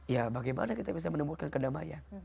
ya bagaimana kita bisa menemukan kedamaian